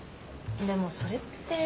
でもそれって。